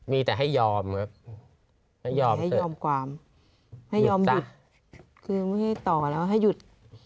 มีแต่ให้ยอมครับให้ยอมให้ยอมความให้ยอมหยุดคือไม่ให้ต่อแล้วให้หยุด